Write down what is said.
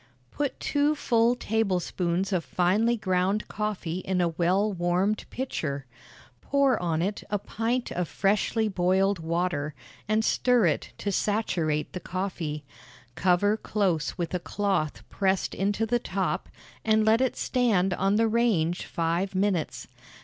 Put two full tablespoonfuls of finely ground coffee in a well warmed pitcher; pour on it a pint of freshly boiled water, and stir it to saturate the coffee: cover close with a cloth pressed into the top, and let it stand on the range five minutes.